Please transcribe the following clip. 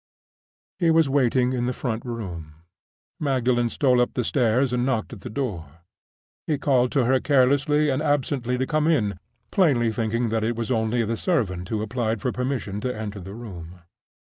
He was waiting in the front room. Magdalen stole up the stairs and knocked at the door. He called to her carelessly and absently to come in, plainly thinking that it was only the servant who applied for permission to enter the room.